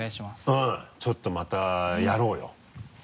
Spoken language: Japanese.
うんちょっとまたやろうよ。